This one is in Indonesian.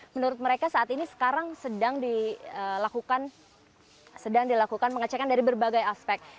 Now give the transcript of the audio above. menurut mereka saat ini sekarang sedang dilakukan sedang dilakukan pengecekan dari berbagai aspek